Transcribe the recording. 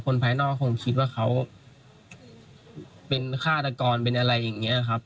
ภายนอกคงคิดว่าเขาเป็นฆาตกรเป็นอะไรอย่างนี้ครับ